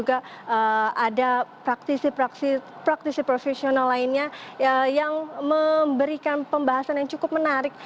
ada praktisi praktisi profesional lainnya yang memberikan pembahasan yang cukup menarik